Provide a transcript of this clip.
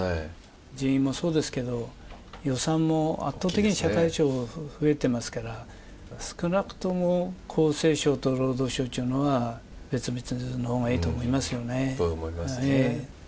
人員もそうですけど、予算も圧倒的に社会保障費が増えてますから、少なくとも厚生省と労働省っちゅうのは別々のほうがいいと思いまと思いますね。